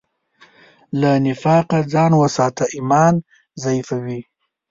له نفاقه ځان وساته، ایمان ضعیفوي.